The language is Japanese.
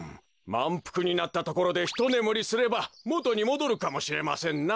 まんぷくになったところでひとねむりすればもとにもどるかもしれませんな。